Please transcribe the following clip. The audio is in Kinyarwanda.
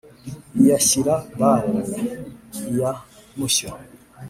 iya shyira-bare, iya mushyo,